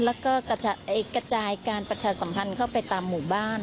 แล้วก็กระจายการประชาสัมพันธ์เข้าไปตามหมู่บ้าน